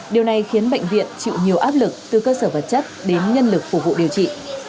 điều này khiến bệnh viện chịu nhiều áp lực từ cơ sở vật chất đến nhân lực phục vụ điều trị